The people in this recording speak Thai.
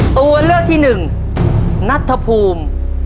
ตัวเลือกที่๑นัทภูมิ